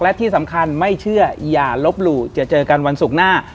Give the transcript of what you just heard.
และที่สำคัญไม่เชื่ออย่าลบหลู่จะเจอกันวันศุกร์หน้า